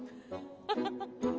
フフフ。